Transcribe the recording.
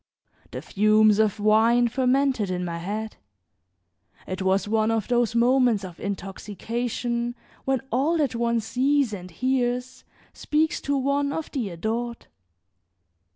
The fumes of wine fermented in my head; it was one of those moments of intoxication when all that one sees and hears, speaks to one of the adored.